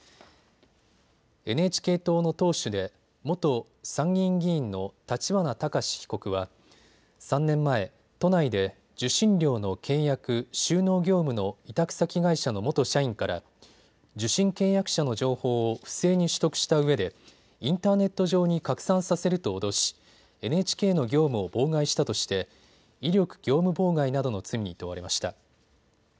ＮＨＫ党の党首で元参議院議員の立花孝志被告は３年前、都内で受信料の契約・収納業務の委託先会社の元社員から受信契約者の情報を不正に取得したうえでインターネット上に拡散させると脅し、ＮＨＫの業務を妨害したとして威力業務妨害などの罪に問われました。